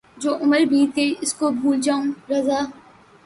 جو عُمر بیت گئی اُس کو بھُول جاؤں رضاؔ